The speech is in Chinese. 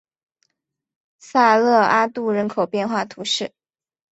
萨勒阿杜人口变化图示